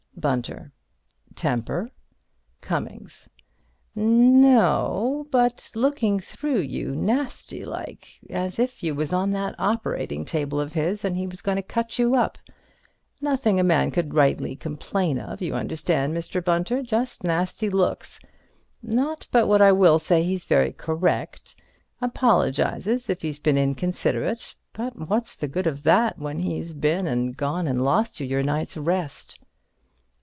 Bunter: Temper? Cummings: No o o—but looking through you, nasty like, as if you was on that operating table of his and he was going to cut you up. Nothing a man could rightly complain of, you understand, Mr. Bunter, just nasty looks. Not but what I will say he's very correct. Apologizes if he's been inconsiderate. But what's the good of that when he's been and gone and lost you your nights rest?